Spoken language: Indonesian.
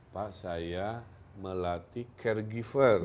pak saya melatih caregiver